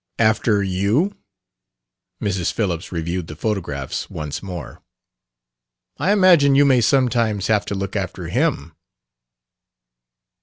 "After you?" Mrs. Phillips reviewed the photographs once more. "I imagine you may sometimes have to look after him."